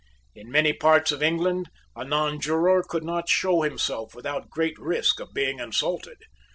In many parts of England a nonjuror could not show himself without great risk of being insulted.